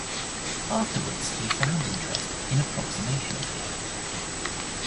Afterwards, he found interest in approximation theory.